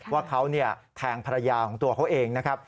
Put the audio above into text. ว่าเขาแทงภรรยาของตัวเขาเองนะครับ